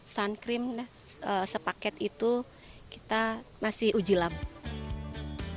sun cream sepaket itu kita masih uji lama